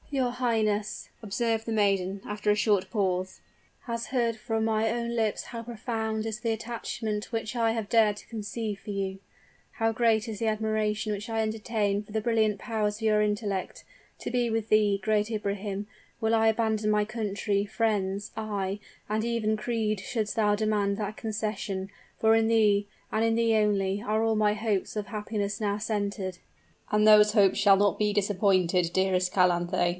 "Your highness," observed the maiden, after a short pause, "has heard from my own lips how profound is the attachment which I have dared to conceive for you how great is the admiration which I entertain for the brilliant powers of your intellect. To be with thee, great Ibrahim, will I abandon my country, friends ay, and even creed, shouldst thou demand that concession; for in thee and in thee only are all my hopes of happiness now centered!" "And those hopes shall not be disappointed, dearest Calanthe!"